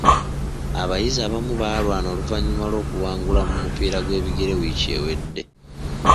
Abayizi abamu baalwana oluvannyuma lw'okuwangulwa mu mupiira gw'ebigere wiiki ewedde.